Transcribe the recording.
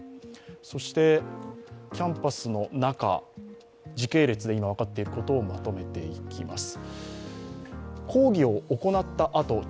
そしてキャンパスの中、時系列で今分かっていることをまとめていきます。